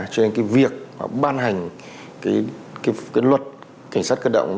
cho nên việc ban hành luật cảnh sát cơ động